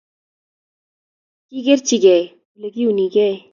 Kigerchigei olegiunegei